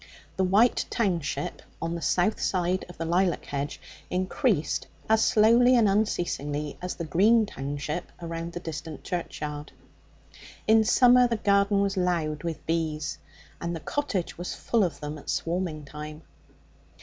The white township on the south side of the lilac hedge increased as slowly and unceasingly as the green township around the distant churchyard. In summer the garden was loud with bees, and the cottage was full of them at swarming time.